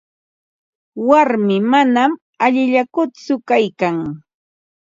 Warmii manam allillakutsu kaykan.